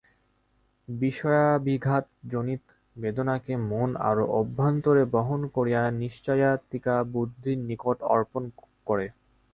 বিষয়াভিঘাত-জনিত বেদনাকে মন আরও অভ্যন্তরে বহন করিয়া নিশ্চয়াত্মিকা বুদ্ধির নিকট অর্পণ করে।